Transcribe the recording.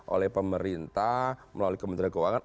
oleh pemerintah melalui kementerian keuangan